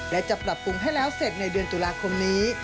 และจะปรับปรุงให้แล้วเสร็จในเดือนตุลาคมนี้